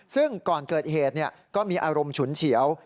ซึ่งก่อนเกิดเหตุก็มีอารมณ์ฉุนเฉียว